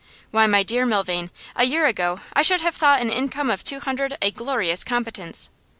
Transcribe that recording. Why, my dear Milvain, a year ago I should have thought an income of two hundred a glorious competence.